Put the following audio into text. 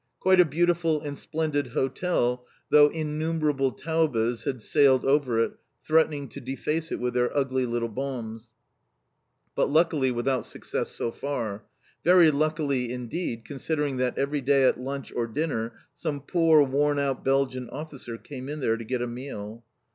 Quite a beautiful and splendid hotel though innumerable Taubes had sailed over it threatening to deface it with their ugly little bombs, but luckily without success so far, very luckily indeed considering that every day at lunch or dinner some poor worn out Belgian Officer came in there to get a meal.